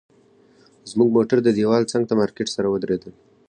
زموږ موټر د دیوال څنګ ته مارکیټ سره ودرېدل.